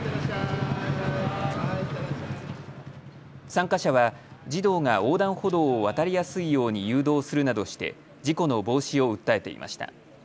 参加者は児童が横断歩道を渡りやすいように誘導するなどして事故の防止を訴えていました。